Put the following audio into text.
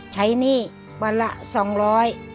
หนี้วันละ๒๐๐บาท